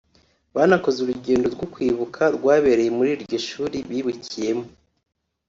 banakoze urugendo rwo kwibuka rwabereye muri iryo shuri bibukiyemo